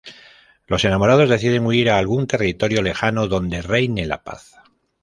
Los enamorados deciden huir a algún territorio lejano donde reine la paz.